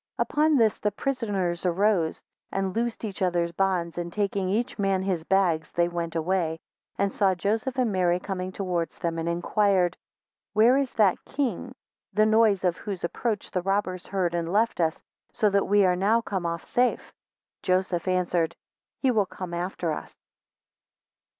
5 Upon this the prisoners arose, and loosed each other's bonds, and taking each man his bags, they went way, and saw Joseph and Mary coming towards them, and inquired, Where is that king, the noise of whose approach the robbers heard, and left us, so that we are now come off safe? 6 Joseph answered, He will come after us.